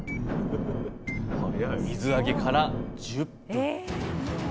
水揚げから１０分。